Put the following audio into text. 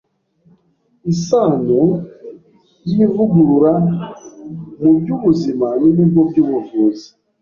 Isano y’Ivugurura mu by’Ubuzima n’Ibigo by’Ubuvuzi